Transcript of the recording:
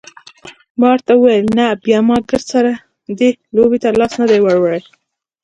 ما ورته وویل نه ما بیا ګردسره دې لوبې ته لاس نه دی وروړی.